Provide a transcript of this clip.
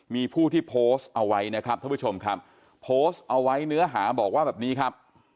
มีผู้ที่โพสต์เอาไว้นะครับท่านผู้ชมครับโพสต์เอาไว้เนื้อหาบอกว่าแบบนี้ครับ